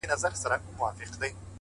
• لا به مي څونه ژړوي د عمر توري ورځي,